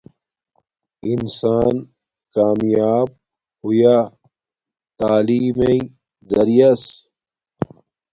انسان کامیاپ ہویا تعلیم مݵݵ زریعس